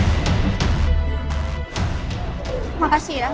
terima kasih ya